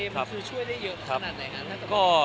มันคือช่วยได้เยอะขนาดไหนครับ